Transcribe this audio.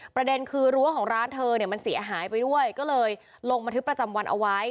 ประเด็นคือรั้วของร้านเธอเนี่ยมันเสียหายไปด้วยก็เลยลงบันทึกประจำวันเอาไว้